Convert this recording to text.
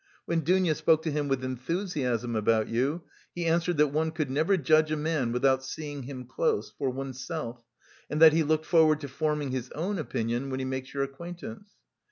When Dounia spoke to him with enthusiasm about you, he answered that one could never judge of a man without seeing him close, for oneself, and that he looked forward to forming his own opinion when he makes your acquaintance.